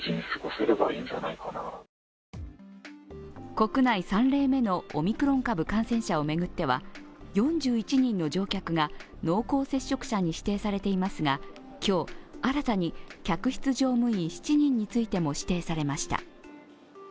国内３例目のオミクロン株感染者を巡っては４１人の乗客が濃厚接触者に指定されていますが今日新たに、客室乗務員７人についても指定されました。